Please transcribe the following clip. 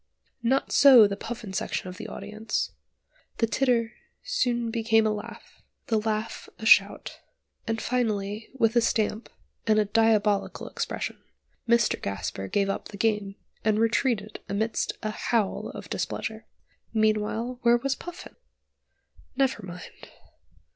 Not so the Puffin section of the audience; the titter soon became a laugh, the laugh a shout, and finally with a stamp, and a diabolical expression, Mr Gasper gave up the game, and retreated amidst a howl of displeasure. Meanwhile where was Puffin? Never mind.